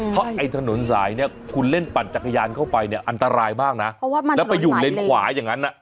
เพราะไอ้ถนนสายเนี่ยคุณเล่นปั่นจักรยานเข้าไปเนี่ยอันตรายมากนะแล้วไปอยู่เลนขวาอย่างนั้น